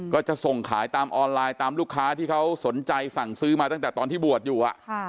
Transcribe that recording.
ก็จะส่งขายตามออนไลน์ตามลูกค้าที่เขาสนใจสั่งซื้อมาตั้งแต่ตอนที่บวชอยู่